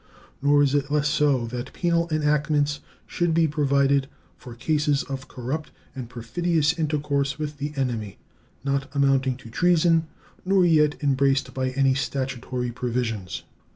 Nor is it less so that penal enactments should be provided for cases of corrupt and perfidious intercourse with the enemy, not amounting to treason nor yet embraced by any statutory provisions.